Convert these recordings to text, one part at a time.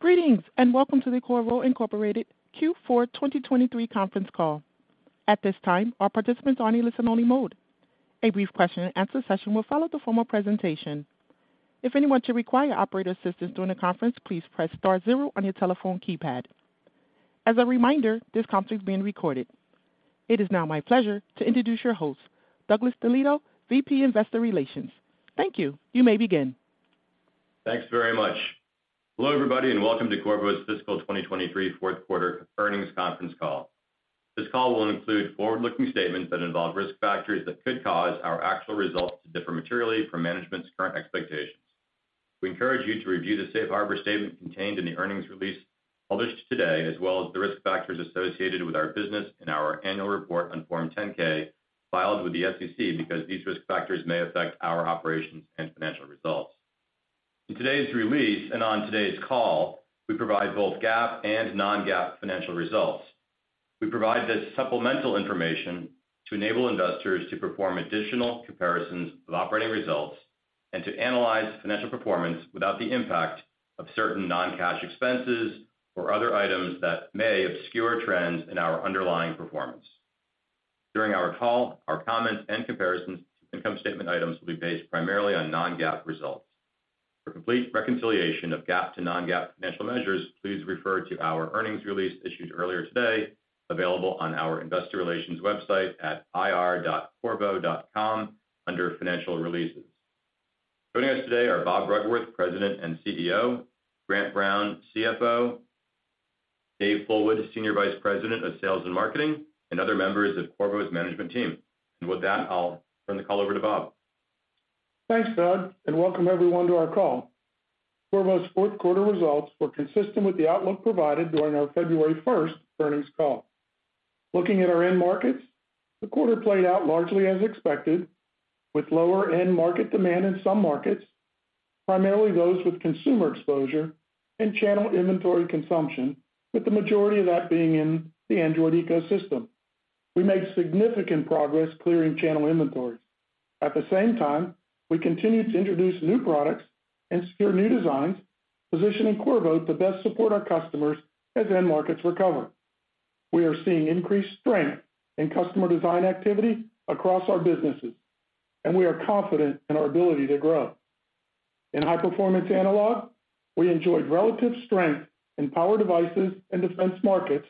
Greetings, welcome to the Qorvo, Inc. Q4 2023 conference call. At this time, all participants are in a listen-only mode. A brief question-and-answer session will follow the formal presentation. If anyone should require operator assistance during the conference, please press star zero on your telephone keypad. As a reminder, this conference is being recorded. It is now my pleasure to introduce your host, Douglas DeLieto, VP Investor Relations. Thank you. You may begin. Thanks very much. Hello, everybody, and welcome to Qorvo's fiscal 2023 Q4 earnings conference call. This call will include forward-looking statements that involve risk factors that could cause our actual results to differ materially from management's current expectations. We encourage you to review the safe harbor statement contained in the earnings release published today, as well as the risk factors associated with our business in our annual report on form 10-K filed with the SEC because these risk factors may affect our operations and financial results. In today's release and on today's call, we provide both GAAP and non-GAAP financial results. We provide this supplemental information to enable investors to perform additional comparisons of operating results and to analyze financial performance without the impact of certain non-cash expenses or other items that may obscure trends in our underlying performance. During our call, our comments and comparisons to income statement items will be based primarily on non-GAAP results. For complete reconciliation of GAAP to non-GAAP financial measures, please refer to our earnings release issued earlier today, available on our investor relations website at ir.qorvo.com under Financial Releases. Joining us today are Bob Bruggeworth, President and CEO, Grant Brown, CFO, Dave Fullwood, Senior Vice President of Sales and Marketing, and other members of Qorvo's management team. With that, I'll turn the call over to Bob. Thanks, Doug, welcome everyone to our call. Qorvo's Q4 results were consistent with the outlook provided during our February 1st earnings call. Looking at our end markets, the quarter played out largely as expected with lower end market demand in some markets, primarily those with consumer exposure and channel inventory consumption, with the majority of that being in the android ecosystem. We made significant progress clearing channel inventories. At the same time, we continued to introduce new products and secure new designs, positioning Qorvo to best support our customers as end markets recover. We are seeing increased strength in customer design activity across our businesses, and we are confident in our ability to grow. In High Performance Analog, we enjoyed relative strength in power devices and defense markets,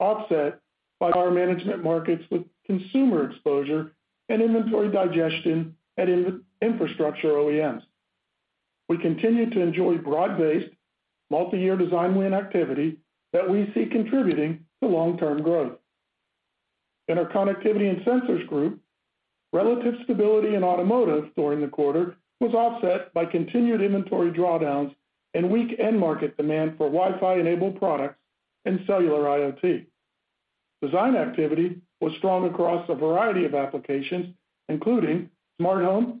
offset by our management markets with consumer exposure and inventory digestion at infrastructure OEMs. We continue to enjoy broad-based, multi-year design win activity that we see contributing to long-term growth. In our Connectivity and Sensors Group, relative stability in automotive during the quarter was offset by continued inventory drawdowns and weak end market demand for Wi-Fi-enabled products and cellular IoT. Design activity was strong across a variety of applications, including smart home,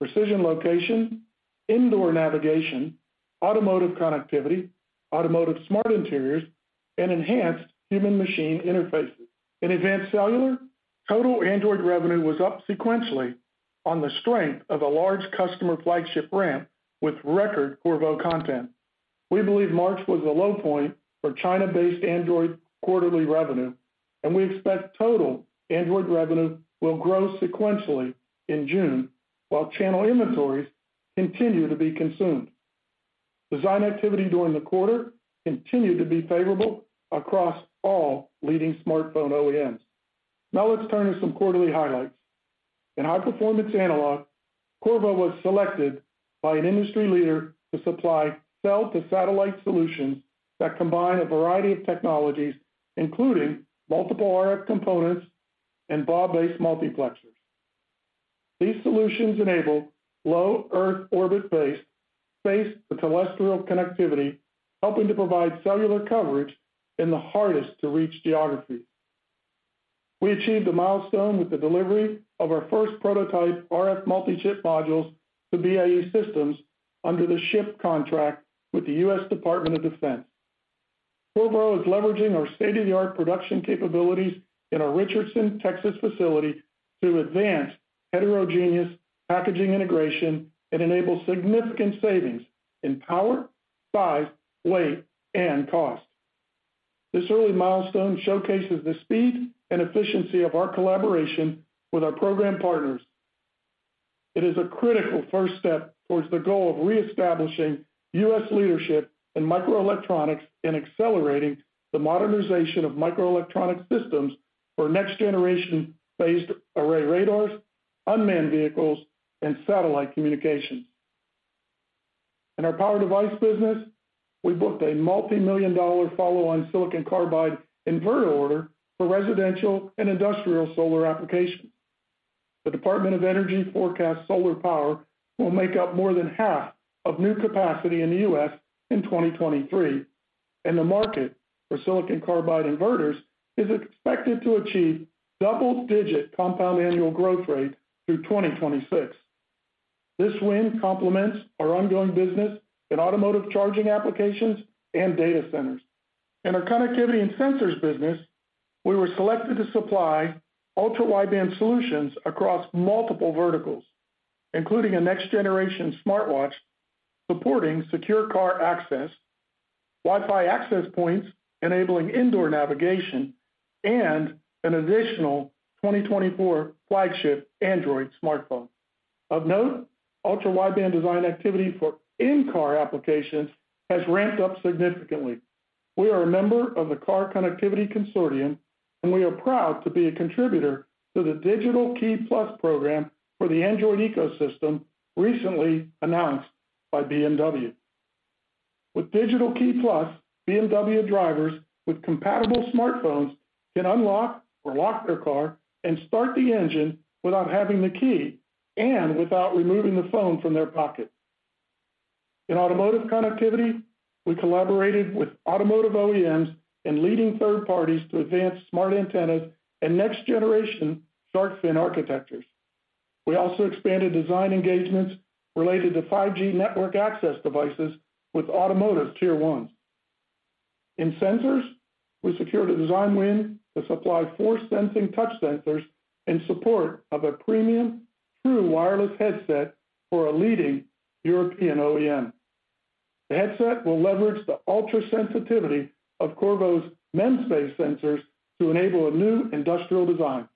precision location, indoor navigation, automotive connectivity, automotive smart interiors, and enhanced human machine interfaces. In Advanced Cellular, total Android revenue was up sequentially on the strength of a large customer flagship ramp with record Qorvo content. We believe March was the low point for China-based android quarterly revenue, and we expect total Android revenue will grow sequentially in June while channel inventories continue to be consumed. Design activity during the quarter continued to be favorable across all leading smartphone OEMs. Now let's turn to some quarterly highlights. In High Performance Analog, Qorvo was selected by an industry leader to supply cell-to-satellite solutions that combine a variety of technologies, including multiple RF components and GaN-based multiplexers. These solutions enable low Earth orbit-based space-to-terrestrial connectivity, helping to provide cellular coverage in the hardest to reach geographies. We achieved a milestone with the delivery of our first prototype RF multi-chip modules to BAE Systems under the SHIP contract with the U.S. Department of Defense. Qorvo is leveraging our State-of-the-Art production capabilities in our Richardson, Texas facility through advanced heterogeneous packaging integration that enables significant savings in power, size, weight, and cost. This early milestone showcases the speed and efficiency of our collaboration with our program partners. It is a critical first step towards the goal of reestablishing U.S. leadership in microelectronics and accelerating the modernization of microelectronic systems for next generation phased array radars, unmanned vehicles, and satellite communications. In our power device business, we booked a multi-million dollar follow on silicon carbide inverter order for residential and industrial solar applications. The Department of Energy forecasts solar power will make up more than half of new capacity in the US in 2023, and the market for silicon carbide inverters is expected to achieve double-digit compound annual growth rate through 2026. This win complements our ongoing business in automotive charging applications and data centers. In our connectivity and sensors business, we were selected to supply ultra-wideband solutions across multiple verticals, including a next generation smartwatch supporting secure car access, Wi-Fi access points enabling indoor navigation, and an additional 2024 flagship Android smartphone. Of note, ultra-wideband design activity for in-car applications has ramped up significantly. We are a member of the Car Connectivity Consortium, and we are proud to be a contributor to the Digital Key Plus program for the Android ecosystem recently announced by BMW. With Digital Key Plus, BMW drivers with compatible smartphones can unlock or lock their car and start the engine without having the key and without removing the phone from their pocket. In automotive connectivity, we collaborated with automotive OEMs and leading third parties to advance smart antennas and next generation shark fin architectures. We also expanded design engagements related to 5G network access devices with automotive tier ones. In sensors, we secured a design win to supply force sensing touch sensors in support of a premium true wireless headset for a leading European OEM. The headset will leverage the ultra-sensitivity of Qorvo's MEMS-based sensors to enable a new industrial design.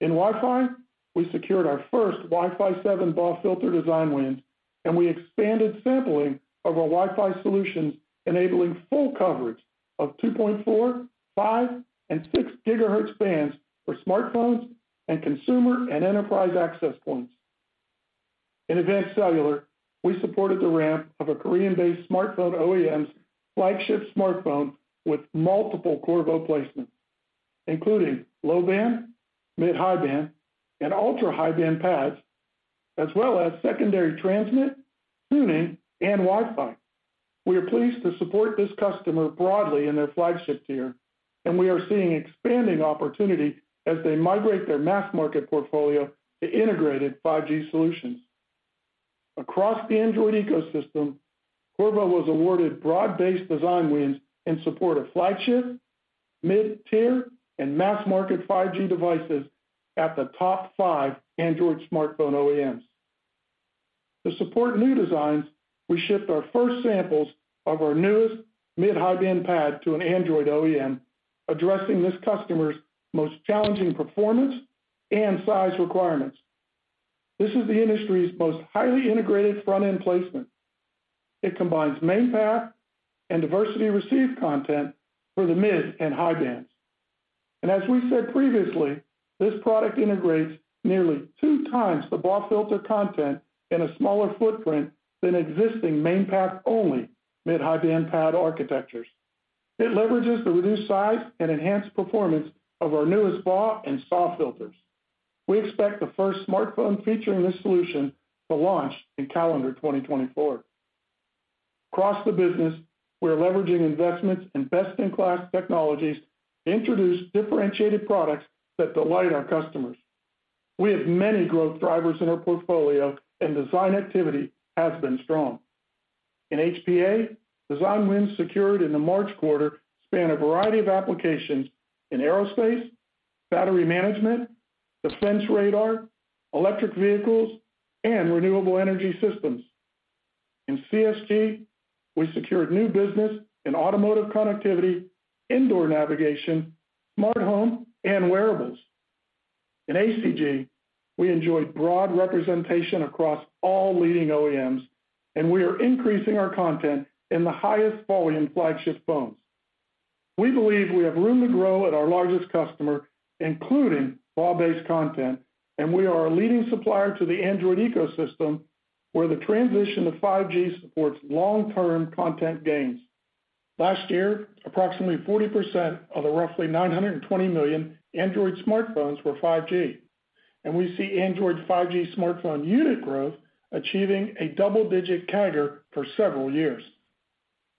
In Wi-Fi, we secured our first Wi-Fi 7 BAW filter design wins, and we expanded sampling of our Wi-Fi solutions, enabling full coverage of 2.4, 5 and 6 gigahertz bands for smartphones and consumer and enterprise access points. In advanced cellular, we supported the ramp of a Korean-based smartphone OEM's flagship smartphone with multiple Qorvo placements, including low band, mid-high band, and ultra-high band pads, as well as secondary transmit, tuning, and Wi-Fi. We are pleased to support this customer broadly in their flagship tier, and we are seeing expanding opportunity as they migrate their mass market portfolio to integrated 5G solutions. Across the Android ecosystem, Qorvo was awarded broad-based design wins in support of flagship, mid-tier and mass market 5G devices at the top five Android smartphone OEMs. To support new designs, we shipped our first samples of our newest mid-high band PAD to an Android OEM, addressing this customer's most challenging performance and size requirements. This is the industry's most highly integrated front-end placement. It combines main path and diversity receive content for the mid and high bands. As we said previously, this product integrates nearly 2 times the BAW filter content in a smaller footprint than existing main path only mid-high band PAD architectures. It leverages the reduced size and enhanced performance of our newest BAW and SAW filters. We expect the first smartphone featuring this solution to launch in calendar 2024. Across the business, we are leveraging investments in best-in-class technologies to introduce differentiated products that delight our customers. We have many growth drivers in our portfolio and design activity has been strong. In HPA, design wins secured in the March quarter span a variety of applications in aerospace, battery management, defense radar, electric vehicles, and renewable energy systems. In CSG, we secured new business in automotive connectivity, indoor navigation, smart home and wearables. In ACG, we enjoyed broad representation across all leading OEMs. We are increasing our content in the highest volume flagship phones. We believe we have room to grow at our largest customer, including BAW-based content. We are a leading supplier to the Android ecosystem, where the transition to 5G supports long-term content gains. Last year, approximately 40% of the roughly $920 million Android smartphones were 5G. We see Android 5G smartphone unit growth achieving a double-digit CAGR for several years.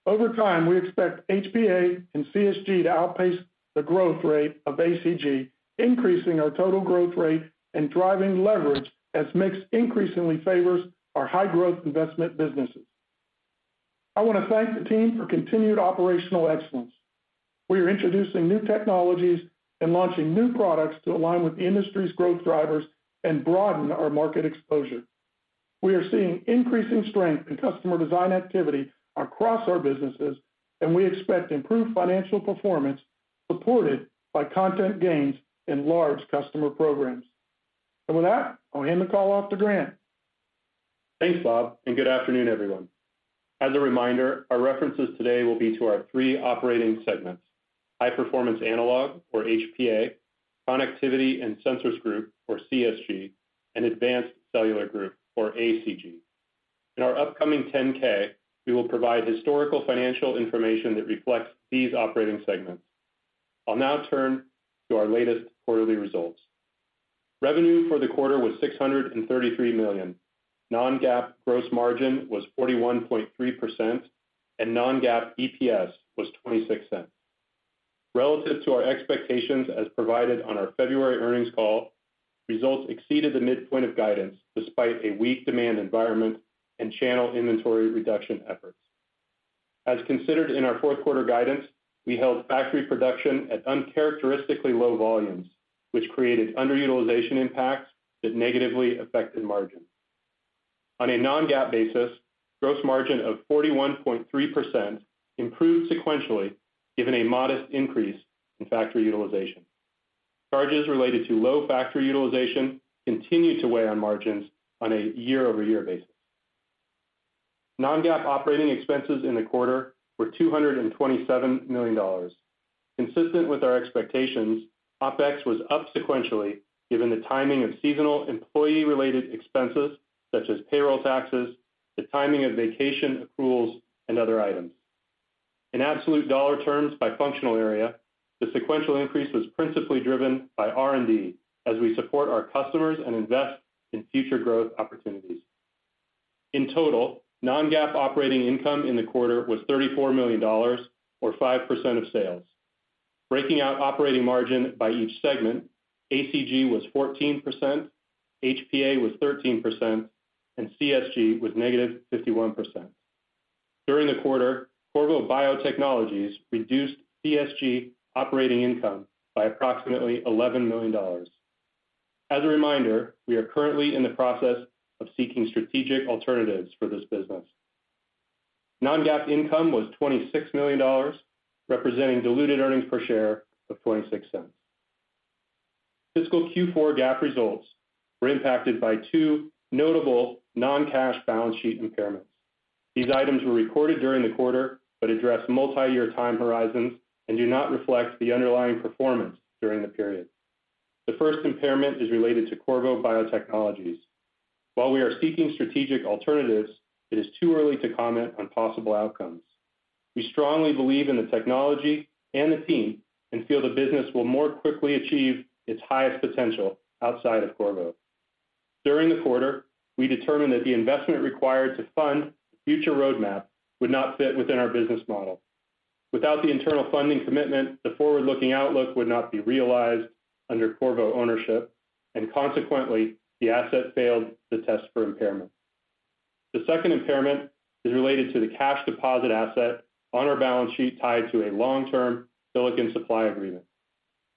Over time, we expect HPA and CSG to outpace the growth rate of ACG, increasing our total growth rate and driving leverage as mix increasingly favors our high growth investment businesses. I wanna thank the team for continued operational excellence. We are introducing new technologies and launching new products to align with the industry's growth drivers and broaden our market exposure. We are seeing increasing strength in customer design activity across our businesses, and we expect improved financial performance supported by content gains in large customer programs. With that, I'll hand the call off to Grant. Thanks, Bob, and good afternoon, everyone. As a reminder, our references today will be to our three operating segments, High Performance Analog or HPA, Connectivity and Sensors Group or CSG, and Advanced Cellular Group or ACG. In our upcoming 10-K, we will provide historical financial information that reflects these operating segments. I'll now turn to our latest quarterly results. Revenue for the quarter was $633 million. Non-GAAP gross margin was 41.3% and non-GAAP EPS was $0.26. Relative to our expectations as provided on our February earnings call, results exceeded the midpoint of guidance despite a weak demand environment and channel inventory reduction efforts. As considered in our Q4 guidance, we held factory production at uncharacteristically low volumes, which created underutilization impacts that negatively affected margin. On a non-GAAP basis, gross margin of 41.3% improved sequentially given a modest increase in factory utilization. Charges related to low factory utilization continued to weigh on margins on a year-over-year basis. Non-GAAP operating expenses in the quarter were $227 million. Consistent with our expectations, OpEx was up sequentially given the timing of seasonal employee-related expenses such as payroll taxes, the timing of vacation accruals, and other items. In absolute dollar terms by functional area, the sequential increase was principally driven by R&D as we support our customers and invest in future growth opportunities. In total, non-GAAP operating income in the quarter was $34 million, or 5% of sales. Breaking out operating margin by each segment, ACG was 14%, HPA was 13%, and CSG was negative 51%. During the quarter, Qorvo Biotechnologies reduced CSG operating income by approximately $11 million. As a reminder, we are currently in the process of seeking strategic alternatives for this business. Non-GAAP income was $26 million, representing diluted earnings per share of $0.006. Fiscal Q4 GAAP results were impacted by two notable non-cash balance sheet impairments. These items were recorded during the quarter, address multi-year time horizons and do not reflect the underlying performance during the period. The first impairment is related to Qorvo Biotechnologies. While we are seeking strategic alternatives, it is too early to comment on possible outcomes. We strongly believe in the technology and the team, feel the business will more quickly achieve its highest potential outside of Qorvo. During the quarter, we determined that the investment required to fund the future roadmap would not fit within our business model. Without the internal funding commitment, the forward-looking outlook would not be realized under Qorvo ownership, and consequently, the asset failed the test for impairment. The second impairment is related to the cash deposit asset on our balance sheet tied to a long-term silicon supply agreement.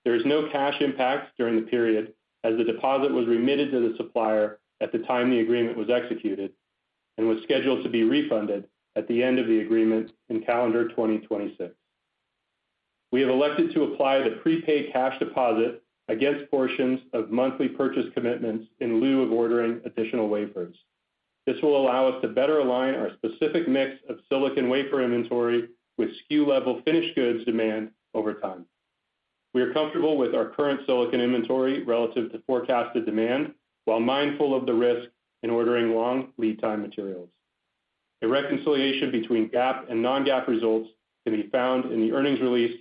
There is no cash impact during the period, as the deposit was remitted to the supplier at the time the agreement was executed, and was scheduled to be refunded at the end of the agreement in calendar 2026. We have elected to apply the prepaid cash deposit against portions of monthly purchase commitments in lieu of ordering additional wafers. This will allow us to better align our specific mix of silicon wafer inventory with SKU-level finished goods demand over time. We are comfortable with our current silicon inventory relative to forecasted demand, while mindful of the risk in ordering long lead time materials. A reconciliation between GAAP and non-GAAP results can be found in the earnings release,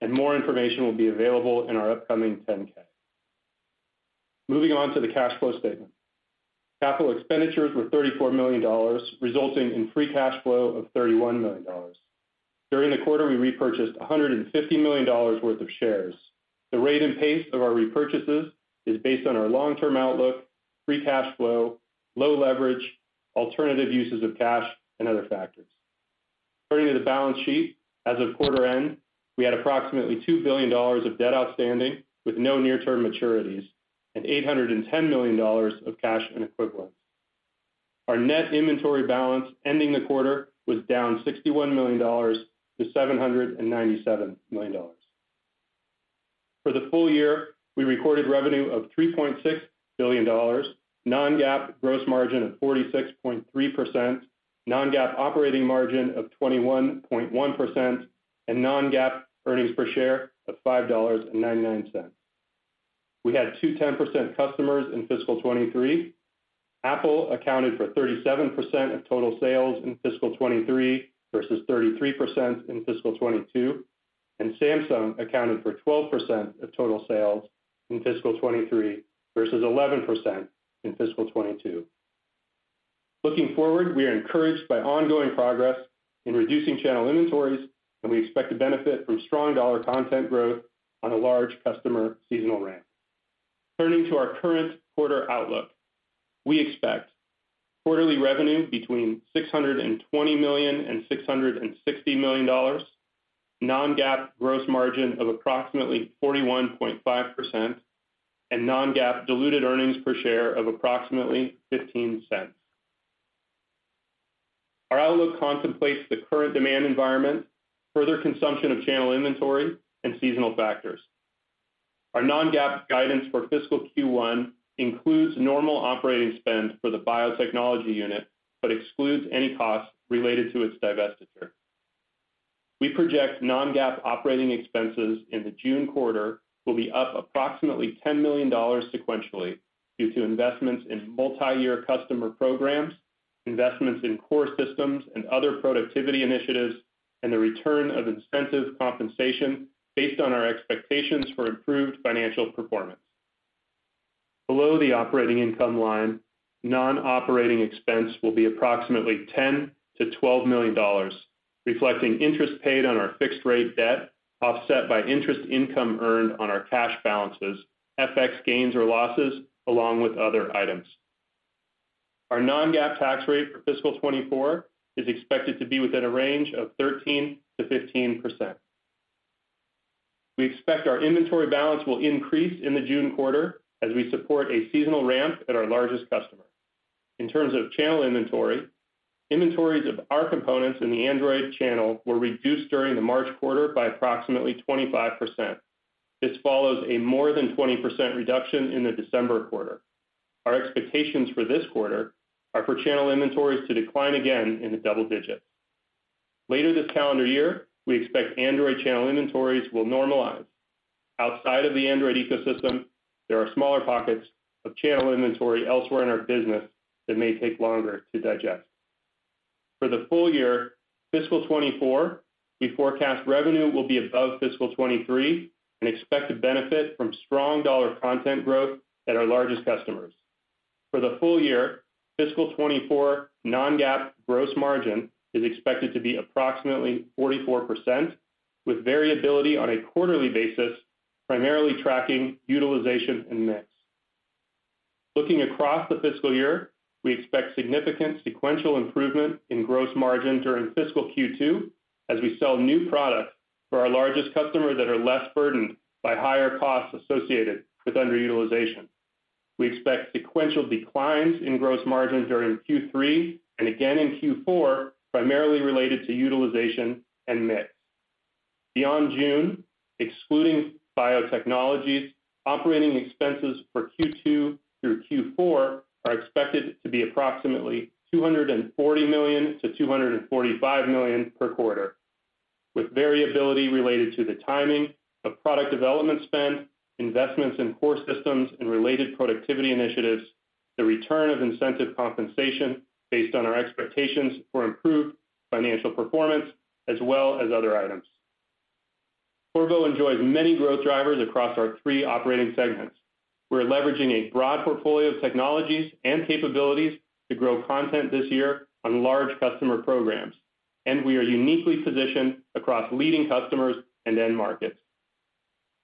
and more information will be available in our upcoming 10-K. Moving on to the cash flow statement. Capital expenditures were $34 million, resulting in free cash flow of $31 million. During the quarter, we repurchased $150 million worth of shares. The rate and pace of our repurchases is based on our long-term outlook, free cash flow, low leverage, alternative uses of cash, and other factors. Turning to the balance sheet, as of quarter end, we had approximately $2 billion of debt outstanding, with no near-term maturities, and $810 million of cash and equivalents. Our net inventory balance ending the quarter was down $61 million to $797 million. For the full year, we recorded revenue of $3.6 billion, non-GAAP gross margin of 46.3%, non-GAAP operating margin of 21.1%, and non-GAAP earnings per share of $5.99. We had two 10% customers in fiscal '23. Apple accounted for 37% of total sales in fiscal '23 versus 33% in fiscal '22, and Samsung accounted for 12% of total sales in fiscal '23 versus 11% in fiscal '22. Looking forward, we are encouraged by ongoing progress in reducing channel inventories, and we expect to benefit from strong dollar content growth on a large customer seasonal ramp. Turning to our current quarter outlook. We expect quarterly revenue between $620 million and $660 million, non-GAAP gross margin of approximately 41.5%, and non-GAAP diluted earnings per share of approximately $0.15. Our outlook contemplates the current demand environment, further consumption of channel inventory, and seasonal factors. Our non-GAAP guidance for fiscal Q1 includes normal operating spend for the biotechnology unit, but excludes any costs related to its divestiture. We project non-GAAP operating expenses in the June quarter will be up approximately $10 million sequentially due to investments in multi-year customer programs, investments in core systems and other productivity initiatives, and the return of incentive compensation based on our expectations for improved financial performance. Below the operating income line, non-operating expense will be approximately $10 million-$12 million, reflecting interest paid on our fixed rate debt offset by interest income earned on our cash balances, FX gains or losses, along with other items. Our non-GAAP tax rate for fiscal 2024 is expected to be within a range of 13%-15%. We expect our inventory balance will increase in the June quarter as we support a seasonal ramp at our largest customer. In terms of channel inventory, inventories of our components in the Android channel were reduced during the March quarter by approximately 25%. This follows a more than 20% reduction in the December quarter. Our expectations for this quarter are for channel inventories to decline again in the double digits. Later this calendar year, we expect Android channel inventories will normalize. Outside of the Android ecosystem, there are smaller pockets of channel inventory elsewhere in our business that may take longer to digest. For the full year fiscal 2024, we forecast revenue will be above fiscal 2023 and expect to benefit from strong dollar content growth at our largest customers. For the full year, fiscal 2024 non-GAAP gross margin is expected to be approximately 44%, with variability on a quarterly basis, primarily tracking utilization and mix. Looking across the fiscal year, we expect significant sequential improvement in gross margin during fiscal Q2 as we sell new products for our largest customers that are less burdened by higher costs associated with underutilization. We expect sequential declines in gross margin during Q3 and again in Q4, primarily related to utilization and mix. Beyond June, excluding biotechnologies, operating expenses for Q2 through Q4 are expected to be approximately $240 million-$245 million per quarter, with variability related to the timing of product development spend, investments in core systems and related productivity initiatives, the return of incentive compensation based on our expectations for improved financial performance, as well as other items. Qorvo enjoys many growth drivers across our three operating segments. We're leveraging a broad portfolio of technologies and capabilities to grow content this year on large customer programs, and we are uniquely positioned across leading customers and end markets.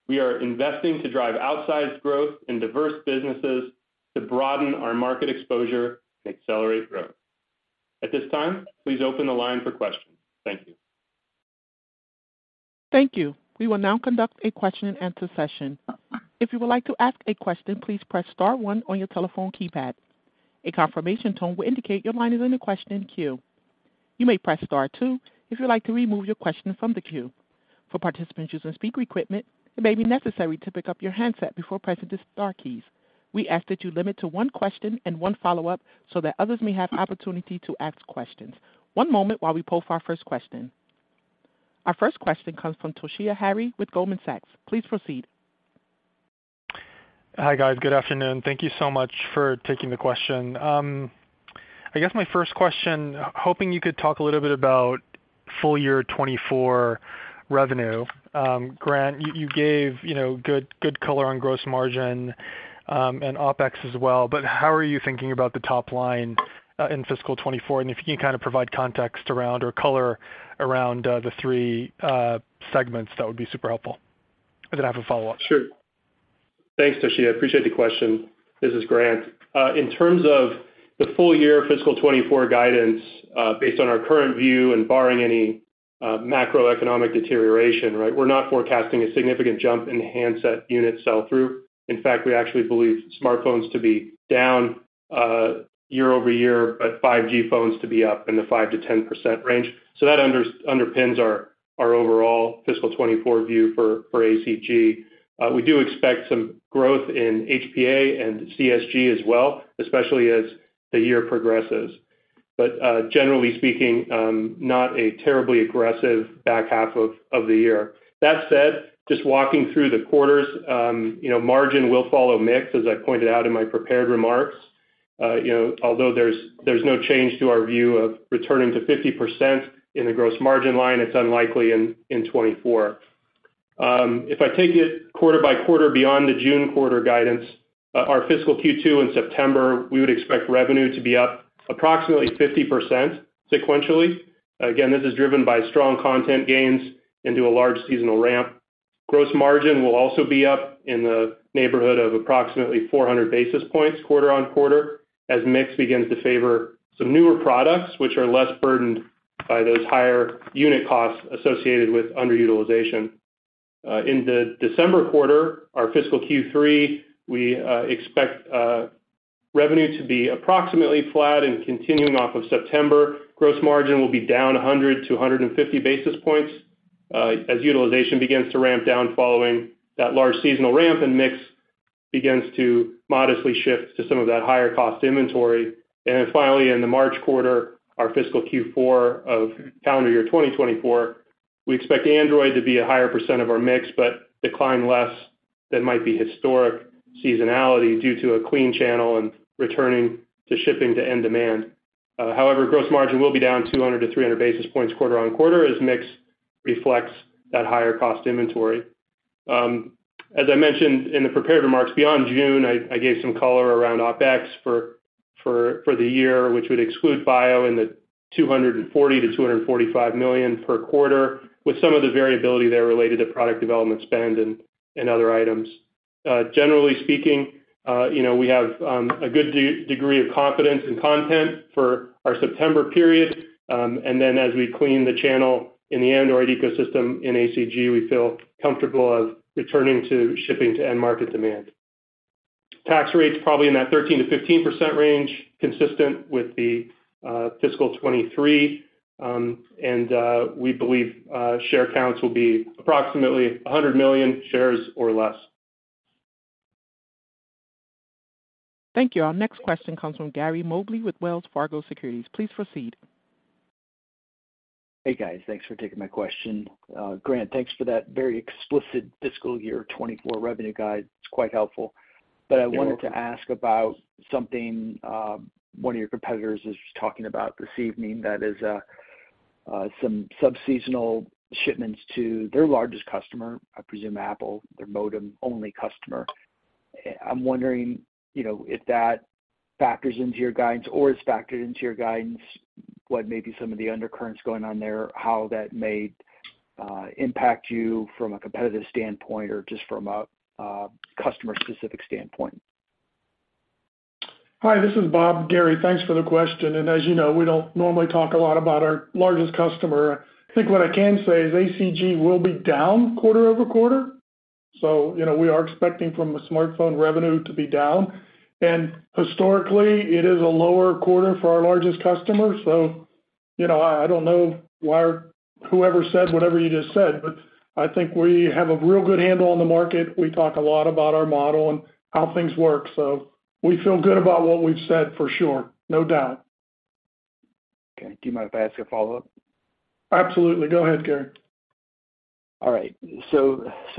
We are investing to drive outsized growth in diverse businesses to broaden our market exposure and accelerate growth. At this time, please open the line for questions. Thank you. Thank you. We will now conduct a question-and-answer session. If you would like to ask a question, please press star one on your telephone keypad. A confirmation tone will indicate your line is in the question queue. You may press star two if you'd like to remove your question from the queue. For participants using speaker equipment, it may be necessary to pick up your handset before pressing the star keys. We ask that you limit to one question and one follow-up so that others may have opportunity to ask questions. One moment while we poll for our first question. Our first question comes from Toshiya Hari with Goldman Sachs. Please proceed. Hi, guys. Good afternoon. Thank you so much for taking the question. I guess my first question, hoping you could talk a little bit about full year 2024 revenue. Grant, you gave, you know, good color on gross margin, and OpEx as well, but how are you thinking about the top line in fiscal 2024? If you can kind of provide context around or color around the three segments, that would be super helpful. I then have a follow-up. Sure. Thanks, Toshiya. I appreciate the question. This is Grant. In terms of the full year fiscal 2024 guidance, based on our current view and barring any macroeconomic deterioration, right, we're not forecasting a significant jump in handset unit sell through. In fact, we actually believe smartphones to be down year-over-year, but 5G phones to be up in the 5%-10% range. That underpins our overall fiscal 2024 view for ACG. We do expect some growth in HPA and CSG as well, especially as the year progresses. Generally speaking, not a terribly aggressive back half of the year. That said, just walking through the quarters, you know, margin will follow mix, as I pointed out in my prepared remarks. you know, although there's no change to our view of returning to 50% in the gross margin line, it's unlikely in 2024. If I take it quarter by quarter beyond the June quarter guidance, our fiscal Q2 in September, we would expect revenue to be up approximately 50% sequentially. Again, this is driven by strong content gains into a large seasonal ramp. Gross margin will also be up in the neighborhood of approximately 400 basis points quarter-on-quarter as mix begins to favor some newer products, which are less burdened by those higher unit costs associated with underutilization. In the December quarter, our fiscal Q3, we expect revenue to be approximately flat and continuing off of September. Gross margin will be down 100 to 150 basis points as utilization begins to ramp down following that large seasonal ramp and mix begins to modestly shift to some of that higher cost inventory. Finally, in the March quarter, our fiscal Q4 of calendar year 2024, we expect Android to be a higher % of our mix, but decline less than might be historic seasonality due to a clean channel and returning to shipping to end demand. However, gross margin will be down 200 to 300 basis points quarter-on-quarter as mix reflects that higher cost inventory. As I mentioned in the prepared remarks, beyond June, I gave some color around OpEx for the year, which would exclude bio in the $240 million-$245 million per quarter with some of the variability there related to product development spend and other items. Generally speaking, you know, we have a good degree of confidence in content for our September period. As we clean the channel in the Android ecosystem in ACG, we feel comfortable of returning to shipping to end market demand. Tax rate's probably in that 13%-15% range, consistent with the fiscal '23. We believe share counts will be approximately 100 million shares or less. Thank you. Our next question comes from Gary Mobley with Wells Fargo Securities. Please proceed. Hey, guys. Thanks for taking my question. Grant, thanks for that very explicit fiscal year 2024 revenue guide. It's quite helpful. You're welcome. I wanted to ask about something, one of your competitors is talking about this evening, that is, some sub-seasonal shipments to their largest customer, I presume Apple, their modem-only customer. I'm wondering, you know, if that factors into your guidance or is factored into your guidance, what may be some of the undercurrents going on there, how that may impact you from a competitive standpoint or just from a customer specific standpoint. Hi, this is Bob. Gary, thanks for the question. As you know, we don't normally talk a lot about our largest customer. I think what I can say is ACG will be down quarter-over-quarter. You know, we are expecting from a smartphone revenue to be down. Historically, it is a lower quarter for our largest customer. You know, I don't know why whoever said whatever you just said, but I think we have a real good handle on the market. We talk a lot about our model and how things work, so we feel good about what we've said for sure. No doubt. Okay. Do you mind if I ask a follow-up? Absolutely. Go ahead, Gary. I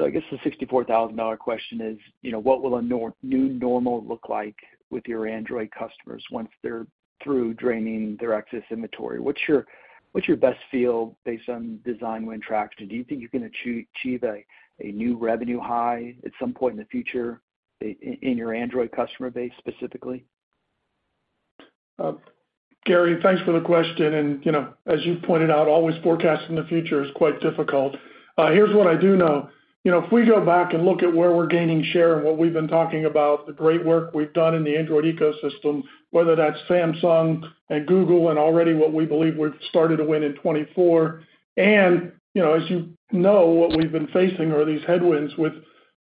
guess the $64,000 question is, you know, what will a new normal look like with your Android customers once they're through draining their excess inventory? What's your best feel based on design win traction? Do you think you can achieve a new revenue high at some point in the future in your Android customer base specifically? Gary, thanks for the question. You know, as you pointed out, always forecasting the future is quite difficult. Here's what I do know. You know, if we go back and look at where we're gaining share and what we've been talking about, the great work we've done in the Android ecosystem, whether that's Samsung and Google and already what we believe we've started to win in 2024. You know, as you know, what we've been facing are these headwinds with,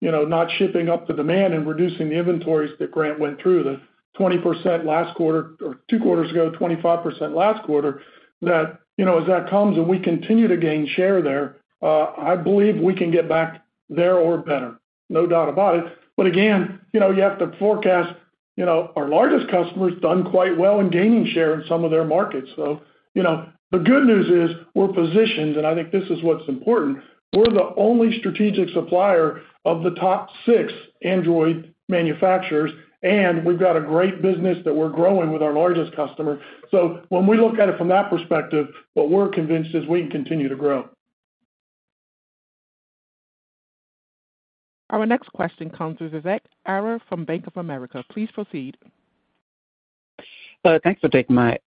you know, not shipping up the demand and reducing the inventories that Grant went through, the 20% last quarter or two quarters ago, 25% last quarter. You know, as that comes and we continue to gain share there, I believe we can get back there or better, no doubt about it. Again, you know, you have to forecast, you know, our largest customer's done quite well in gaining share in some of their markets. You know, the good news is we're positioned, and I think this is what's important, we're the only strategic supplier of the top six Android manufacturers, and we've got a great business that we're growing with our largest customer. When we look at it from that perspective, what we're convinced is we can continue to grow. Our next question comes from Vivek Arya from Bank of America. Please proceed. Thanks for taking my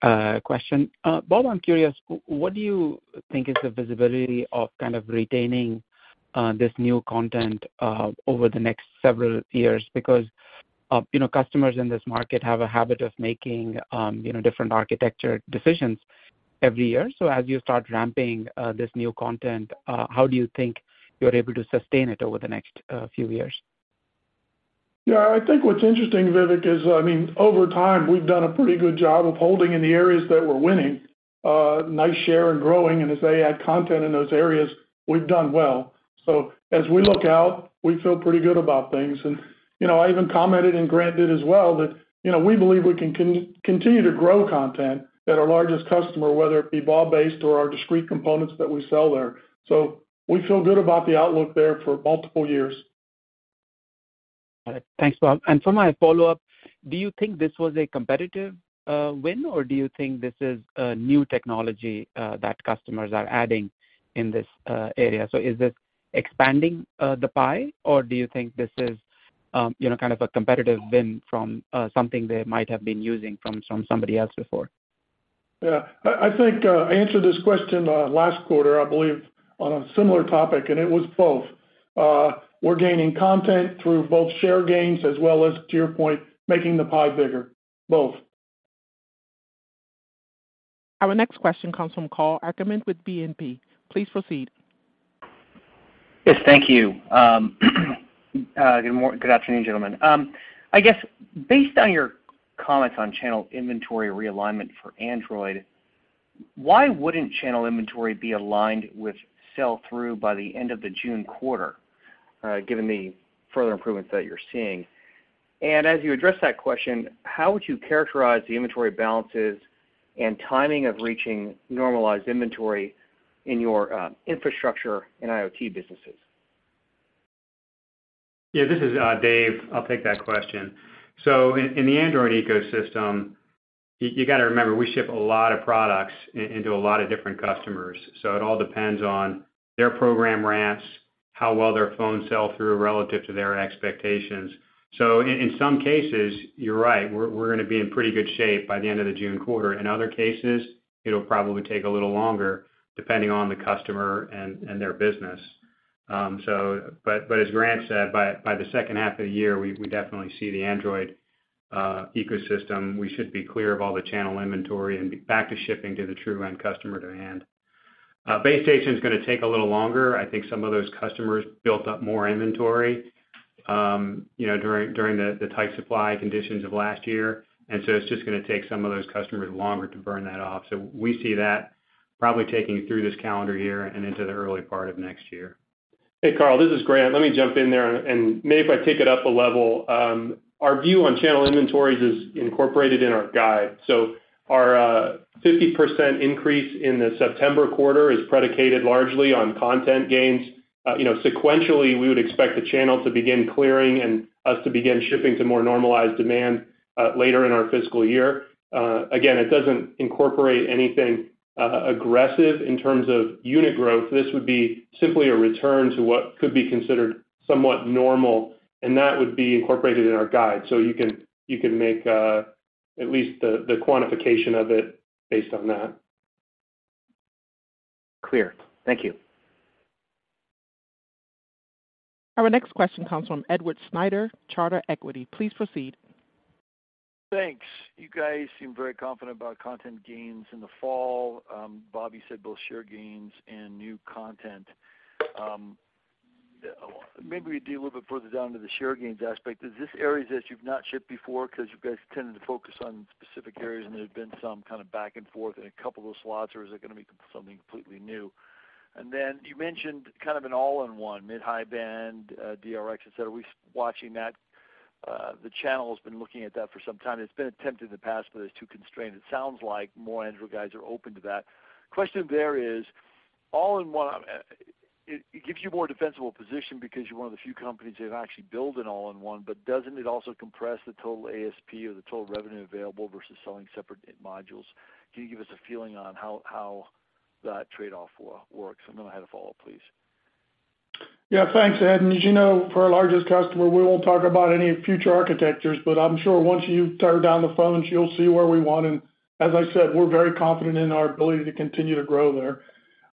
question. Bob, I'm curious, what do you think is the visibility of kind of retaining this new content over the next several years? You know, customers in this market have a habit of making, you know, different architecture decisions every year. As you start ramping this new content, how do you think you're able to sustain it over the next few years? Yeah. I think what's interesting, Vivek, is, I mean, over time, we've done a pretty good job of holding in the areas that we're winning, nice share and growing. As they add content in those areas, we've done well. As we look out, we feel pretty good about things. You know, I even commented, and Grant did as well, that, you know, we believe we can continue to grow content at our largest customer, whether it be BaU-based or our discrete components that we sell there. We feel good about the outlook there for multiple years. All right. Thanks, Bob. For my follow-up, do you think this was a competitive win, or do you think this is a new technology that customers are adding in this area? Is this expanding the pie, or do you think this is, you know, kind of a competitive win from something they might have been using from somebody else before? Yeah. I think I answered this question last quarter, I believe, on a similar topic. It was both. We're gaining content through both share gains as well as, to your point, making the pie bigger. Both. Our next question comes from Karl Ackerman with BNP. Please proceed. Yes, thank you. Good morning, good afternoon, gentlemen. I guess based on your comments on channel inventory realignment for Android, why wouldn't channel inventory be aligned with sell through by the end of the June quarter, given the further improvements that you're seeing? As you address that question, how would you characterize the inventory balances and timing of reaching normalized inventory in your infrastructure and IoT businesses? This is Dave. I'll take that question. In the Android ecosystem, you gotta remember, we ship a lot of products into a lot of different customers. It all depends on their program ramps. How well their phones sell through relative to their expectations. In some cases, you're right. We're gonna be in pretty good shape by the end of the June quarter. In other cases, it'll probably take a little longer depending on the customer and their business. But as Grant said, by the H2 of the year, we definitely see the Android ecosystem. We should be clear of all the channel inventory and be back to shipping to the true end customer demand. Base station is gonna take a little longer. I think some of those customers built up more inventory, you know, during the tight supply conditions of last year. It's just gonna take some of those customers longer to burn that off. we see that probably taking through this calendar year and into the early part of next year. Hey, Karl, this is Grant. Let me jump in there, and maybe if I take it up a level. Our view on channel inventories is incorporated in our guide. Our 50% increase in the September quarter is predicated largely on content gains. You know, sequentially, we would expect the channel to begin clearing and us to begin shipping to more normalized demand later in our fiscal year. Again, it doesn't incorporate anything aggressive in terms of unit growth. This would be simply a return to what could be considered somewhat normal, and that would be incorporated in our guide. You can make at least the quantification of it based on that. Clear. Thank you. Our next question comes from Edward Snyder, Charter Equity. Please proceed. Thanks. You guys seem very confident about content gains in the fall. Bobby said both share gains and new content. Maybe we dig a little bit further down to the share gains aspect. Is this areas that you've not shipped before because you guys tended to focus on specific areas, and there's been some kind of back and forth in a couple of slots, or is it gonna be something completely new? You mentioned kind of an all-in-one mid, high band, DRX, et cetera. We're watching that. The channel has been looking at that for some time. It's been attempted in the past, but it's too constrained. It sounds like more Android guys are open to that. Question there is, all-in-one, it gives you more defensible position because you're one of the few companies that actually build an all-in-one, but doesn't it also compress the total ASP or the total revenue available versus selling separate modules? Can you give us a feeling on how that trade-off works? Then I had a follow-up, please. Yeah, thanks, Ed. As you know, for our largest customer, we won't talk about any future architectures, but I'm sure once you tear down the phones, you'll see where we want. As I said, we're very confident in our ability to continue to grow there.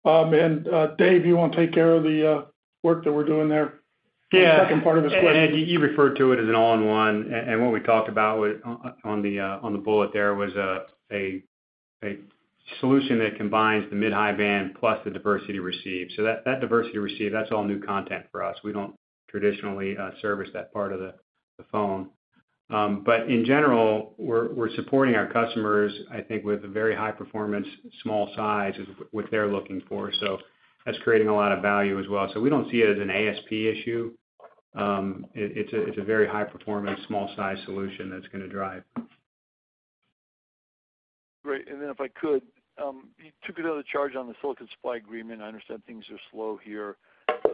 And Dave, you wanna take care of the work that we're doing there... Yeah. The second part of his question. Ed, you referred to it as an all-in-one, and what we talked about on the bullet there was a solution that combines the mid, high band plus the diversity receive. That diversity receive, that's all new content for us. We don't traditionally service that part of the phone. In general, we're supporting our customers, I think with a very high performance, small size is what they're looking for. That's creating a lot of value as well. We don't see it as an ASP issue. It's a very high performance, small size solution that's gonna drive. Great. If I could, you took another charge on the silicon supply agreement. I understand things are slow here.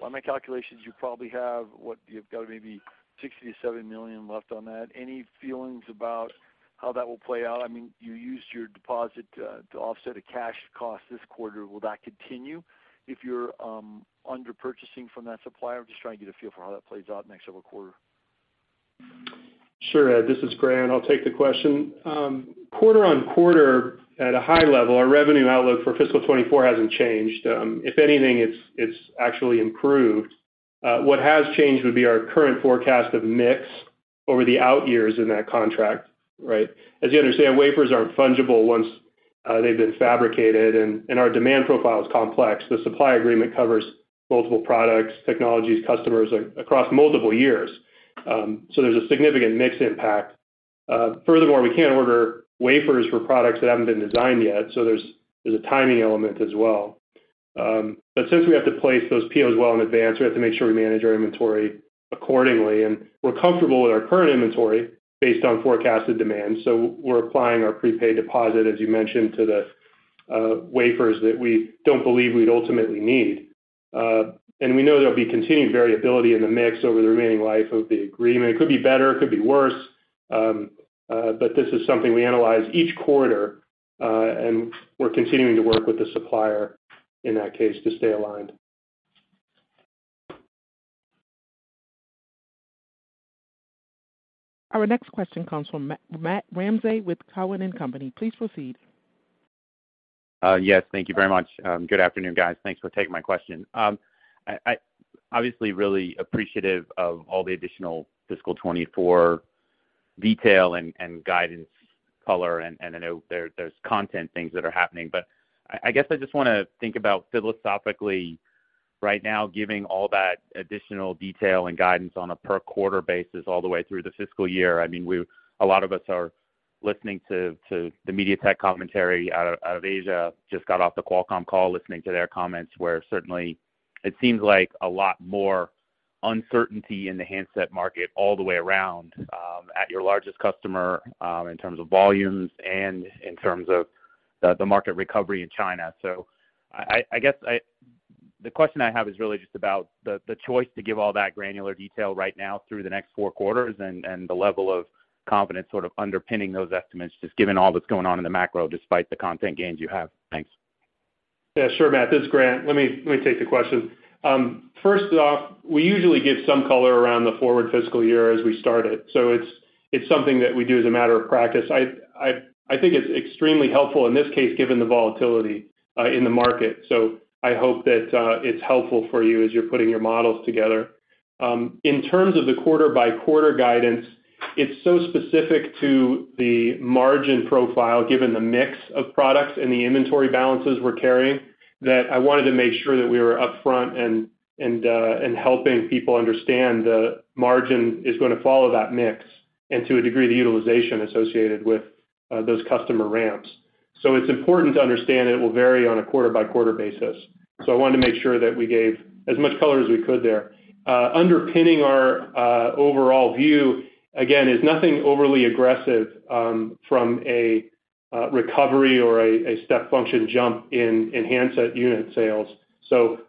By my calculations, you probably have what you've got maybe $60 million-$70 million left on that. Any feelings about how that will play out? You used your deposit, to offset a cash cost this quarter. Will that continue if you're, under-purchasing from that supplier? I'm just trying to get a feel for how that plays out next several quarter. Sure, Ed. This is Grant. I'll take the question. Quarter-on-quarter at a high level, our revenue outlook for fiscal '24 hasn't changed. If anything, it's actually improved. What has changed would be our current forecast of mix over the out years in that contract, right? As you understand, wafers aren't fungible once they've been fabricated, and our demand profile is complex. The supply agreement covers multiple products, technologies, customers across multiple years. There's a significant mix impact. Furthermore, we can't order wafers for products that haven't been designed yet, so there's a timing element as well. Since we have to place those POs well in advance, we have to make sure we manage our inventory accordingly. We're comfortable with our current inventory based on forecasted demand, so we're applying our prepaid deposit, as you mentioned, to the wafers that we don't believe we'd ultimately need. We know there'll be continued variability in the mix over the remaining life of the agreement. Could be better, could be worse, but this is something we analyze each quarter, and we're continuing to work with the supplier in that case to stay aligned. Our next question comes from Matt Ramsay with Cowen and Company. Please proceed. Yes, thank you very much. Good afternoon, guys. Thanks for taking my question. I obviously really appreciative of all the additional fiscal 2024 detail and guidance color, and I know there's content things that are happening. I guess I just wanna think about philosophically right now, giving all that additional detail and guidance on a per quarter basis all the way through the fiscal year. I mean, a lot of us are listening to the MediaTek commentary out of Asia, just got off the Qualcomm call listening to their comments, where certainly it seems like a lot more uncertainty in the handset market all the way around, at your largest customer, in terms of volumes and in terms of the market recovery in China. I guess the question I have is really just about the choice to give all that granular detail right now through the next four quarters and the level of confidence sort of underpinning those estimates, just given all that's going on in the macro despite the content gains you have. Thanks. Sure, Matt, this is Grant. Let me take the question. First off, we usually give some color around the forward fiscal year as we start it. It's something that we do as a matter of practice. I think it's extremely helpful in this case, given the volatility in the market. I hope that it's helpful for you as you're putting your models together. In terms of the quarter by quarter guidance, it's so specific to the margin profile, given the mix of products and the inventory balances we're carrying, that I wanted to make sure that we were upfront and helping people understand the margin is gonna follow that mix and to a degree, the utilization associated with those customer ramps. It's important to understand it will vary on a quarter by quarter basis. I wanted to make sure that we gave as much color as we could there. Underpinning our overall view, again, is nothing overly aggressive from a recovery or a step function jump in handset unit sales.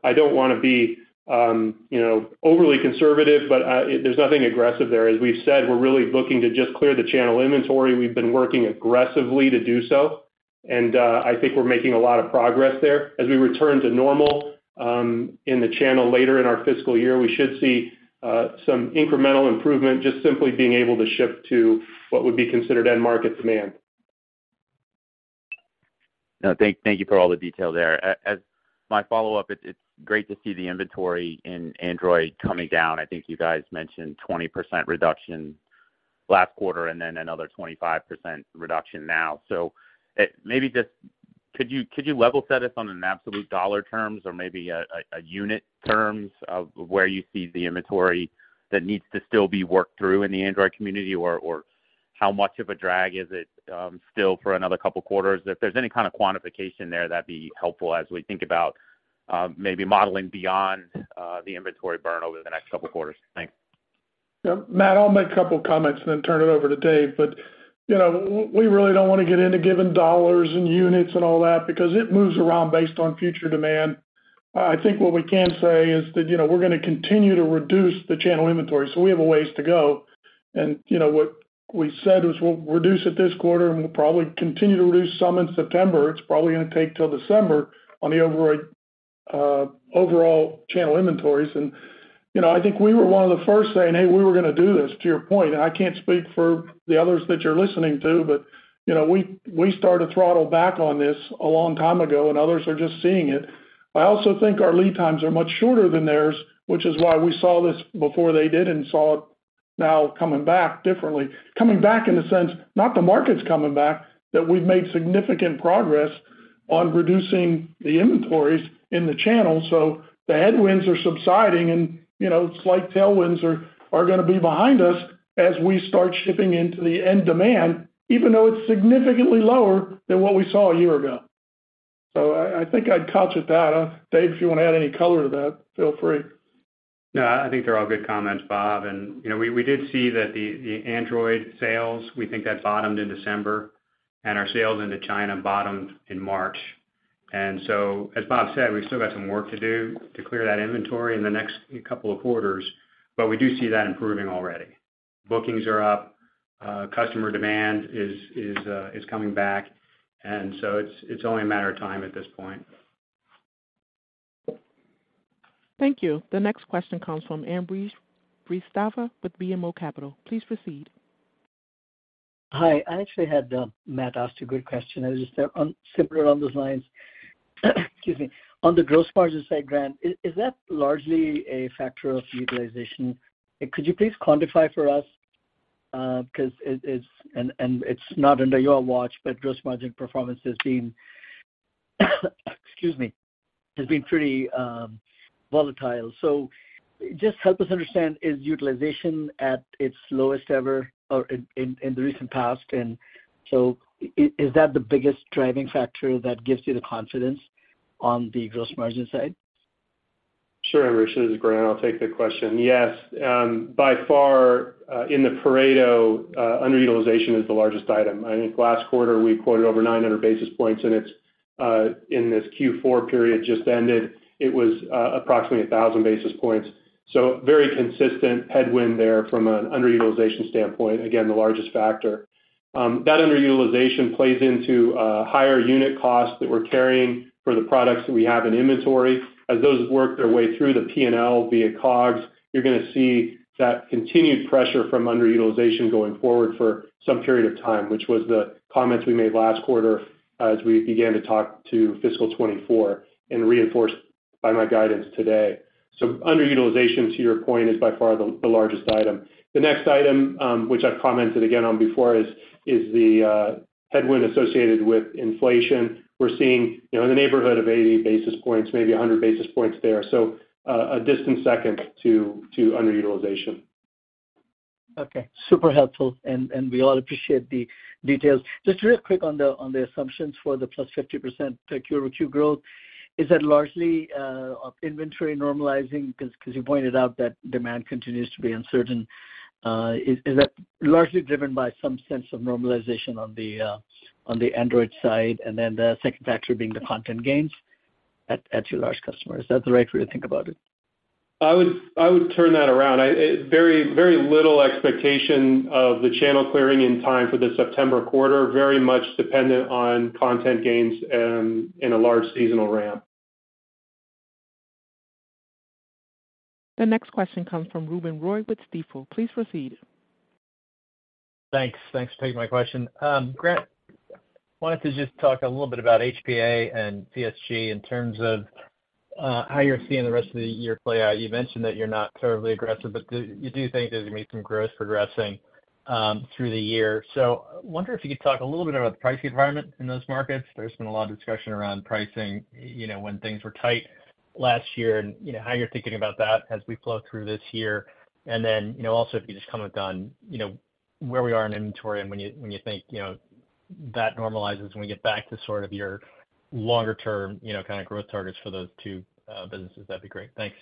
I don't wanna be, you know, overly conservative, but there's nothing aggressive there. As we've said, we're really looking to just clear the channel inventory. We've been working aggressively to do so, and I think we're making a lot of progress there. As we return to normal in the channel later in our fiscal year, we should see some incremental improvement, just simply being able to ship to what would be considered end market demand. No, thank you for all the detail there. As my follow-up, it's great to see the inventory in Android coming down. I think you guys mentioned 20% reduction last quarter and then another 25% reduction now. It maybe just could you level set us on an absolute dollar terms or maybe a unit terms of where you see the inventory that needs to still be worked through in the Android community? Or how much of a drag is it still for another couple quarters? If there's any kind of quantification there, that'd be helpful as we think about maybe modeling beyond the inventory burn over the next couple quarters. Thanks. Yeah. Matt, I'll make a couple comments and then turn it over to Dave. You know, we really don't wanna get into giving dollars and units and all that because it moves around based on future demand. I think what we can say is that, you know, we're gonna continue to reduce the channel inventory, so we have a ways to go. You know, what we said was we'll reduce it this quarter, and we'll probably continue to reduce some in September. It's probably gonna take till December on the overall overall channel inventories. You know, I think we were one of the first saying, "Hey, we were gonna do this," to your point. I can't speak for the others that you're listening to, but, you know, we started to throttle back on this a long time ago, and others are just seeing it. I also think our lead times are much shorter than theirs, which is why we saw this before they did and saw it now coming back differently. Coming back in the sense, not the market's coming back, that we've made significant progress on reducing the inventories in the channel. The headwinds are subsiding, and you know, slight tailwinds are gonna be behind us as we start shipping into the end demand, even though it's significantly lower than what we saw a year ago. I think I'd couch it that. Dave, if you wanna add any color to that, feel free. No, I think they're all good comments, Bob. You know, we did see that the Android sales, we think that bottomed in December, and our sales into China bottomed in March. As Bob said, we've still got some work to do to clear that inventory in the next couple of quarters, but we do see that improving already. Bookings are up, customer demand is coming back, and so it's only a matter of time at this point. Thank you. The next question comes from Ambrish Srivastava with BMO Capital. Please proceed. Hi. I actually had Matt ask a good question. I was just similar along those lines. Excuse me. On the gross margin side, Grant, is that largely a factor of utilization? Could you please quantify for us, 'cause it's not under your watch, but gross margin performance has been, excuse me, pretty volatile. Just help us understand, is utilization at its lowest ever or in the recent past? Is that the biggest driving factor that gives you the confidence on the gross margin side? Sure, Ambrish. This is Grant. I'll take the question. Yes, by far, in the Pareto, underutilization is the largest item. I think last quarter we quoted over 900 basis points, and it's in this Q4 period just ended, it was approximately 1,000 basis points. Very consistent headwind there from an underutilization standpoint, again, the largest factor. That underutilization plays into higher unit costs that we're carrying for the products that we have in inventory. As those work their way through the P&L via COGS, you're gonna see that continued pressure from underutilization going forward for some period of time, which was the comments we made last quarter as we began to talk to fiscal '24 and reinforced by my guidance today. Underutilization, to your point, is by far the largest item. The next item, which I've commented again on before, is the headwind associated with inflation. We're seeing, you know, in the neighborhood of 80 basis points, maybe 100 basis points there. A distant second to underutilization. Okay, super helpful, and we all appreciate the details. Just real quick on the assumptions for the +50% quarter-over-quarter growth. Is that largely of inventory normalizing? Cause you pointed out that demand continues to be uncertain. Is that largely driven by some sense of normalization on the Android side, and then the second factor being the content gains at your large customers? Is that the right way to think about it? I would turn that around. I, very little expectation of the channel clearing in time for the September quarter. Very much dependent on content gains and in a large seasonal ramp. The next question comes from Ruben Roy with Stifel. Please proceed. Thanks. Thanks for taking my question. Grant, wanted to just talk a little bit about HPA and CSG in terms of how you're seeing the rest of the year play out. You mentioned that you're not terribly aggressive, but do you do think there's gonna be some growth progressing through the year? Wonder if you could talk a little bit about the pricing environment in those markets. There's been a lot of discussion around pricing, you know, when things were tight last year and, you know, how you're thinking about that as we flow through this year. You know, also if you just comment on, you know, where we are in inventory and when you, when you think, you know, that normalizes when we get back to sort of your longer term, you know, kind of growth targets for those two businesses, that'd be great. Thanks.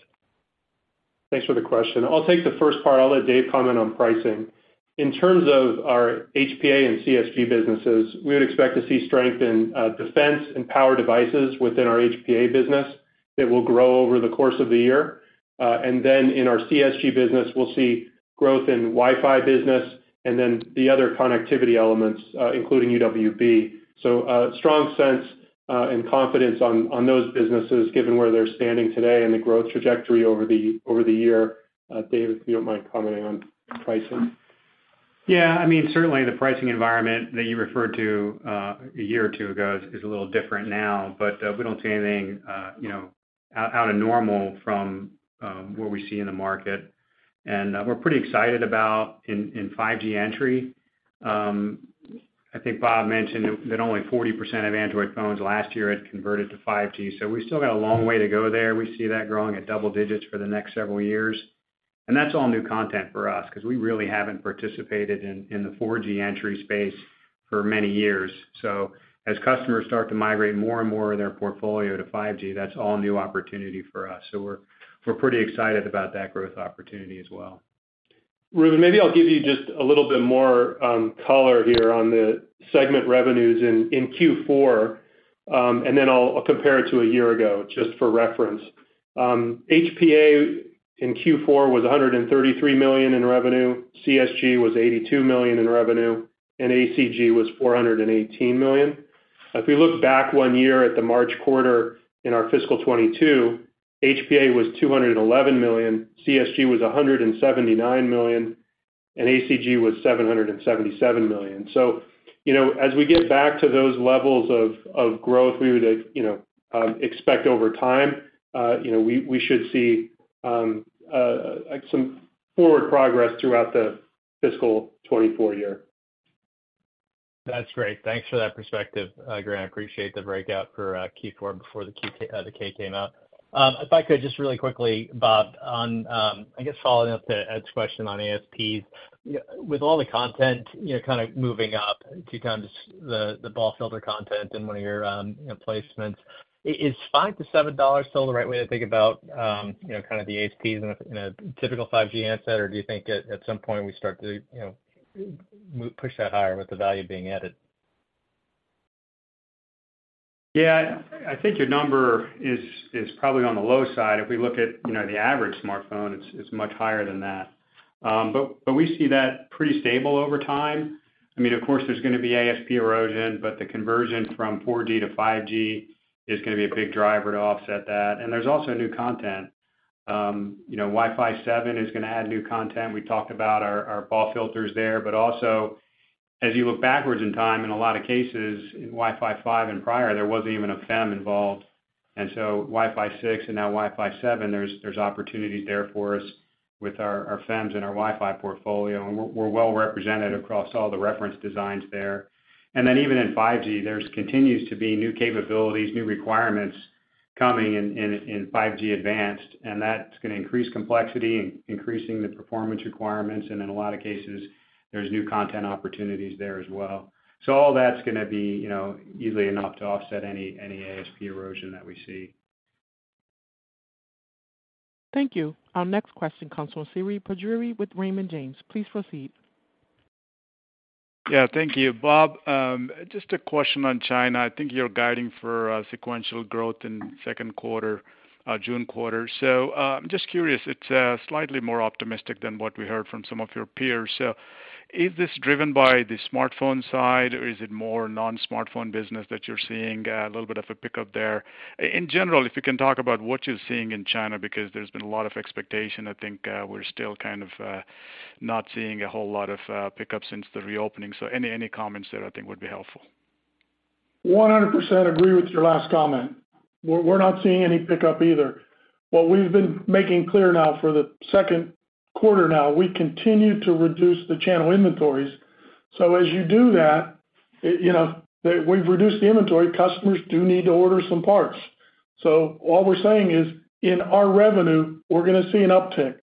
Thanks for the question. I'll take the first part. I'll let Dave comment on pricing. In terms of our HPA and CSG businesses, we would expect to see strength in defense and power devices within our HPA business that will grow over the course of the year. In our CSG business, we'll see growth in Wi-Fi business and then the other connectivity elements, including UWB. A strong sense and confidence on those businesses given where they're standing today and the growth trajectory over the, over the year. Dave, if you don't mind commenting on pricing. Yeah. I mean, certainly the pricing environment that you referred to, a year or two ago is a little different now, but we don't see anything, you know, out of normal from what we see in the market. We're pretty excited about in 5G entry. I think Bob mentioned that only 40% of Android phones last year had converted to 5G, we still got a long way to go there. We see that growing at double digits for the next several years. That's all new content for us because we really haven't participated in the 4G entry space for many years. As customers start to migrate more and more of their portfolio to 5G, that's all new opportunity for us. We're pretty excited about that growth opportunity as well. Ruben, maybe I'll give you just a little bit more color here on the segment revenues in Q4, and then I'll compare it to a year ago just for reference. HPA in Q4 was $133 million in revenue, CSG was $82 million in revenue, and ACG was $418 million. If we look back one year at the March quarter in our fiscal '22, HPA was $211 million, CSG was $179 million, and ACG was $777 million. You know, as we get back to those levels of growth we would expect over time, you know, we should see some forward progress throughout the fiscal '24 year. That's great. Thanks for that perspective, Grant. Appreciate the breakout for Q4 before the K came out. If I could just really quickly, Bob, on, I guess following up to Ed's question on ASPs. With all the content, you know, kind of moving up to kind of the BAW filter content in one of your placements, is $5-$7 still the right way to think about, you know, kind of the ASPs in a, in a typical 5G asset, or do you think at some point we start to, you know, push that higher with the value being added? Yeah. I think your number is probably on the low side. If we look at, you know, the average smartphone, it's much higher than that. but we see that pretty stable over time. I mean, of course, there's gonna be ASP erosion, but the conversion from 4G to 5G is gonna be a big driver to offset that. There's also new content. you know, Wi-Fi 7 is gonna add new content. We talked about our BAW filters there. Also as you look backwards in time, in a lot of cases, Wi-Fi 5 and prior, there wasn't even a FEM involved. Wi-Fi 6 and now Wi-Fi 7, there's opportunities there for us with our FEMs and our Wi-Fi portfolio, and we're well represented across all the reference designs there. Even in 5G, there's continues to be new capabilities, new requirements coming in 5G-Advanced, and that's gonna increase complexity, increasing the performance requirements, and in a lot of cases, there's new content opportunities there as well. All that's gonna be, you know, easily enough to offset any ASP erosion that we see. Thank you. Our next question comes from Srini Pajjuri with Raymond James. Please proceed. Yeah, thank you. Bob, just a question on China. I think you're guiding for sequential growth in Q2, June quarter. I'm just curious, it's slightly more optimistic than what we heard from some of your peers. Is this driven by the smartphone side, or is it more non-smartphone business that you're seeing a little bit of a pickup there? In general, if you can talk about what you're seeing in China, because there's been a lot of expectation. I think, we're still kind of, not seeing a whole lot of pickups since the reopening. Any comments there I think would be helpful. 100% agree with your last comment. We're not seeing any pickup either. What we've been making clear now for the Q2 now, we continue to reduce the channel inventories. As you do that, you know, we've reduced the inventory, customers do need to order some parts. All we're saying is in our revenue, we're gonna see an uptick.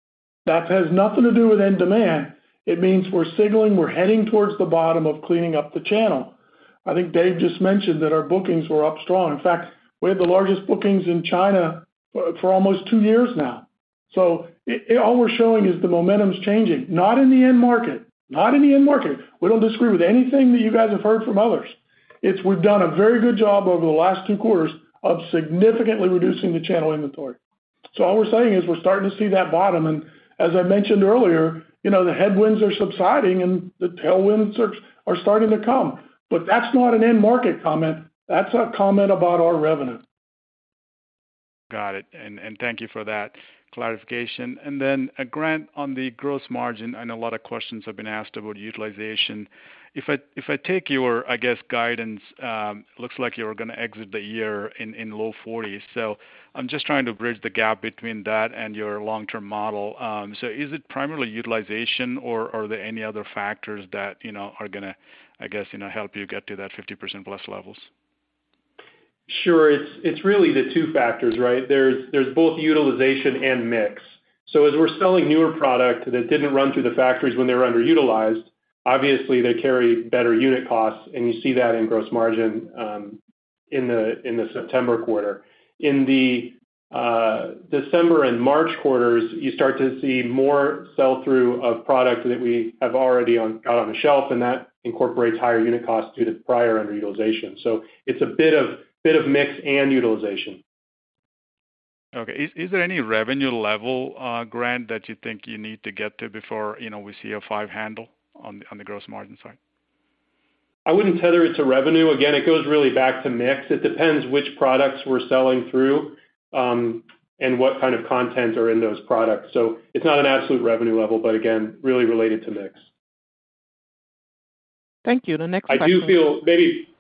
That has nothing to do with end demand. It means we're signaling we're heading towards the bottom of cleaning up the channel. I think Dave just mentioned that our bookings were up strong. In fact, we had the largest bookings in China for almost two years now. All we're showing is the momentum is changing, not in the end market, not in the end market. We don't disagree with anything that you guys have heard from others. We've done a very good job over the last two quarters of significantly reducing the channel inventory. All we're saying is we're starting to see that bottom. As I mentioned earlier, you know, the headwinds are subsiding and the tailwinds are starting to come. That's not an end market comment. That's a comment about our revenue. Got it. Thank you for that clarification. Then, Grant, on the gross margin, I know a lot of questions have been asked about utilization. If I take your, I guess, guidance, looks like you're gonna exit the year in low 40s. I'm just trying to bridge the gap between that and your long-term model. Is it primarily utilization or, are there any other factors that, you know, are gonna, I guess, you know, help you get to that 50% plus levels? Sure. It's really the two factors, right? There's both utilization and mix. As we're selling newer product that didn't run through the factories when they were underutilized, obviously they carry better unit costs, and you see that in gross margin, in the September quarter. In the December and March quarters, you start to see more sell-through of product that we have already got on the shelf, and that incorporates higher unit costs due to prior underutilization. It's a bit of mix and utilization. Okay. Is there any revenue level, Grant, that you think you need to get to before, you know, we see a five handle on the gross margin side? I wouldn't tether it to revenue. Again, it goes really back to mix. It depends which products we're selling through, and what kind of content are in those products. It's not an absolute revenue level, but again, really related to mix. Thank you. The next question-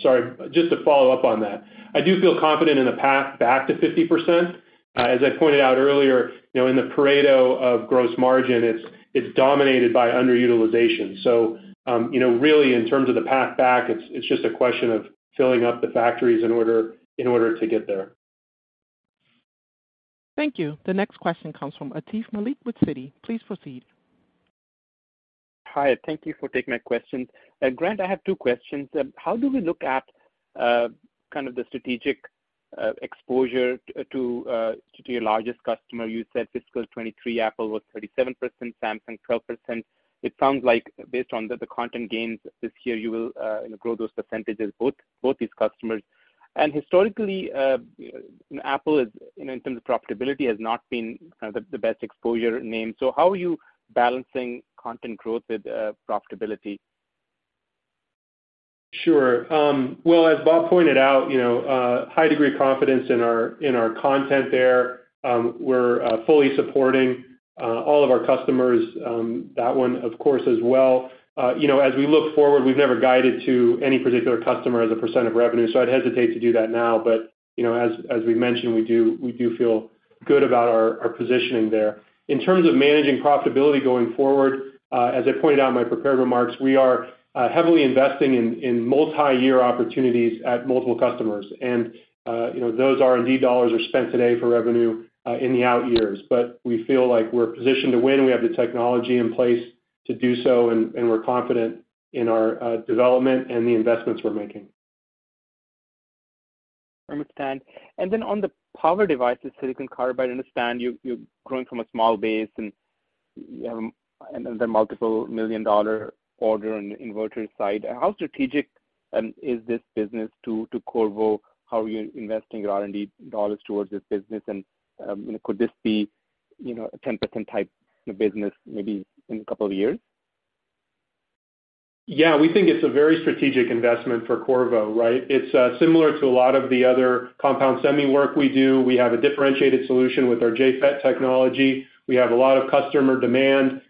Sorry, just to follow up on that. I do feel confident in the path back to 50%. As I pointed out earlier, you know, in the Pareto of gross margin, it's dominated by underutilization. You know, really in terms of the path back, it's just a question of filling up the factories in order to get there. Thank you. The next question comes from Atif Malik with Citi. Please proceed. Hi, thank you for taking my question. Grant, I have two questions. How do we look at, kind of the strategic exposure to your largest customer? You said fiscal '23, Apple was 37%, Samsung, 12%. It sounds like based on the content gains this year, you will, you know, grow those percentages, both these customers. Historically, Apple is, you know, in terms of profitability, has not been the best exposure name. How are you balancing content growth with profitability? Sure. Well, as Bob pointed out, you know, high degree confidence in our, in our content there. We're fully supporting all of our customers, that one, of course, as well. You know, as we look forward, we've never guided to any particular customer as a percent of revenue, so I'd hesitate to do that now. You know, as we mentioned, we do feel good about our positioning there. In terms of managing profitability going forward, as I pointed out in my prepared remarks, we are heavily investing in multi-year opportunities at multiple customers. You know, those R&D dollars are spent today for revenue in the out years. We feel like we're positioned to win. We have the technology in place to do so, and we're confident in our development and the investments we're making. Understand. Then on the power devices, silicon carbide, I understand you're growing from a small base, and you have the multiple million-dollar order on the inverter side. How strategic is this business to Qorvo? How are you investing your R&D dollars towards this business? Could this be, you know, a 10% type business maybe in a couple of years? We think it's a very strategic investment for Qorvo, right? It's similar to a lot of the other compound semi work we do. We have a differentiated solution with our GaN FET technology. We have a lot of customer demand.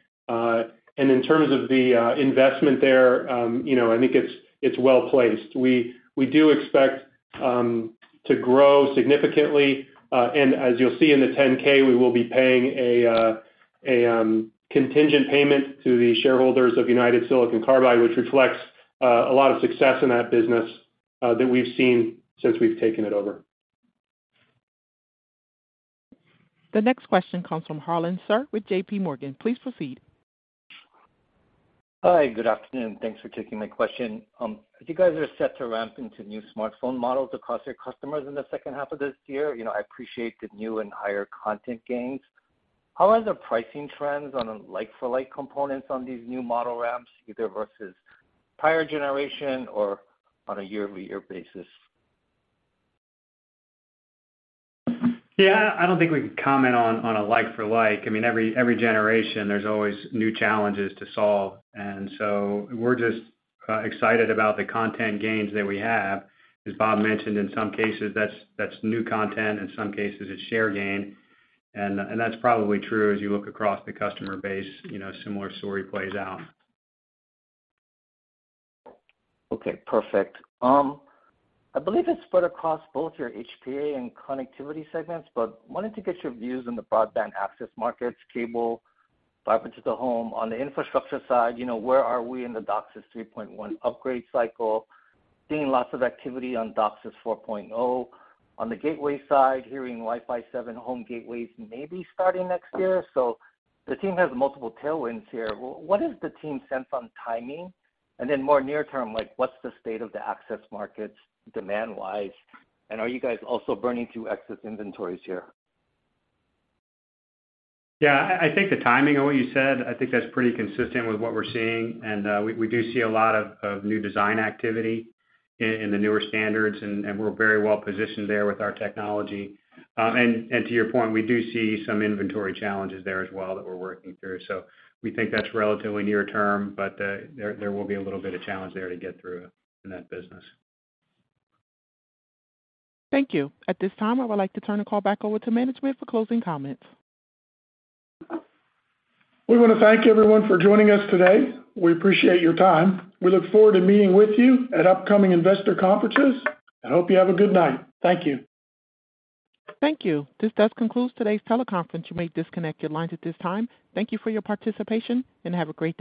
In terms of the investment there, you know, I think it's well-placed. We, we do expect to grow significantly. As you'll see in the 10-K, we will be paying a contingent payment to the shareholders of United Silicon Carbide, which reflects a lot of success in that business that we've seen since we've taken it over. The next question comes from Harlan Sur with JPMorgan. Please proceed. Hi, good afternoon. Thanks for taking my question. As you guys are set to ramp into new smartphone models across your customers in the H2 of this year, you know, I appreciate the new and higher content gains. How are the pricing trends on a like for like components on these new model ramps, either versus prior generation or on a year-over-year basis? Yeah, I don't think we can comment on a like for like. I mean, every generation, there's always new challenges to solve, we're just excited about the content gains that we have. As Bob mentioned, in some cases, that's new content, in some cases it's share gain. That's probably true as you look across the customer base, you know, similar story plays out. Okay, perfect. I believe it's spread across both your HPA and Connectivity segments, but wanted to get your views on the broadband access markets, cable, fiber to the home. On the infrastructure side, you know, where are we in the DOCSIS 3.1 upgrade cycle? Seeing lots of activity on DOCSIS 4.0. On the gateway side, hearing Wi-Fi 7 home gateways may be starting next year. The team has multiple tailwinds here. What is the team's sense on timing? More near term, like what's the state of the access markets demand-wise? Are you guys also burning through excess inventories here? Yeah, I think the timing of what you said, I think that's pretty consistent with what we're seeing. We do see a lot of new design activity in the newer standards, and we're very well positioned there with our technology. And to your point, we do see some inventory challenges there as well that we're working through. We think that's relatively near term, but there will be a little bit of challenge there to get through in that business. Thank you. At this time, I would like to turn the call back over to management for closing comments. We wanna thank everyone for joining us today. We appreciate your time. We look forward to meeting with you at upcoming investor conferences. I hope you have a good night. Thank you. Thank you. This does conclude today's teleconference. You may disconnect your lines at this time. Thank you for your participation, and have a great day.